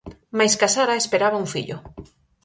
Mais casara e esperaba un fillo.